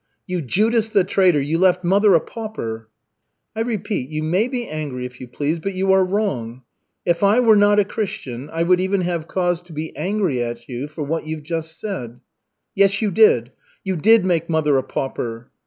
"You Judas the traitor, you left mother a pauper." "I repeat, you may be angry, if you please, but you are wrong. If I were not a Christian, I would even have cause to be angry at you for what you've just said." "Yes, you did, you did make mother a pauper."